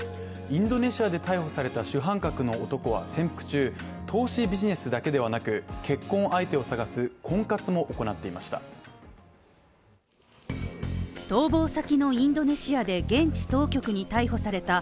インドネシアで逮捕された主犯格の男は潜伏中投資ビジネスだけではなく結婚相手を探す婚活も行っていました。